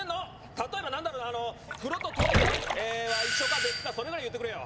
例えば何だろうなあの風呂とトイレは一緒か別かそれぐらい言ってくれよ